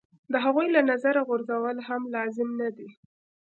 د هغوی له نظره غورځول هم لازم نه دي.